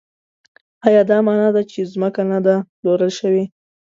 ایا دا مانا ده چې ځمکه نه ده پلورل شوې؟